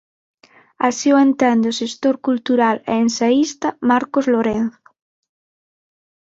Así o entende o xestor cultural e ensaísta Marcos Lorenzo.